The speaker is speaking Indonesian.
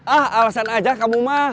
ah alasan aja kamu mah